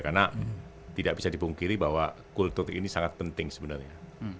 karena tidak bisa dipungkiri bahwa kultur ini sangat penting sebenarnya